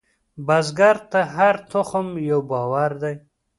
بزګر ته هره تخم یو باور دی